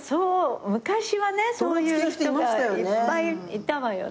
昔はねそういう人がいっぱいいたわよね。